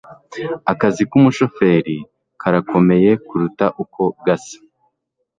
Akazi k'umushoferi karakomeye kuruta uko gasa.